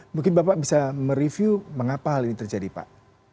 mungkin bapak bisa mereview mengapa hal ini terjadi pak